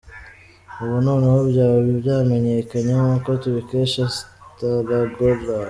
Ubu noneho byaba byamenyekanye nkuko tubikesha staragora.